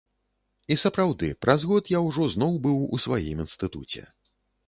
І сапраўды, праз год я ўжо зноў быў у сваім інстытуце.